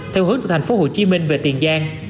theo hướng từ tp hcm về tiền giang